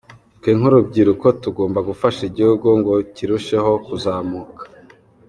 Twe nk’urubyiruko tugomba gufasha igihugu ngo kirusheho kuzamuka.